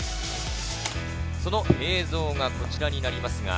その映像がこちらになります。